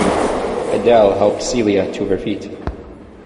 Adele helped Celia to her feet.